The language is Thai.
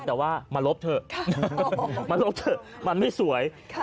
แต่ว่ามาลบเถอะมาลบเถอะมันไม่สวย